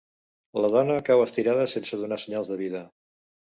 La dona cau estirada, sense donar senyals de vida…